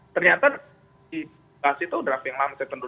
ternyata dikasih draft yang lama